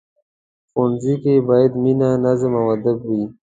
ښوونځی کې باید مینه، نظم او ادب وي